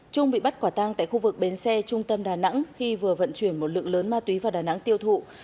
trung bị bắt quả tang tại khu vực bến xe trung tâm đà nẵng khi vừa vận chuyển một lượng lớn ma túy vào đà nẵng tiêu thụ